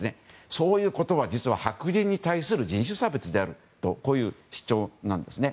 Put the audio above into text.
そういうことは、実は白人に対する人種差別であるという主張なんですね。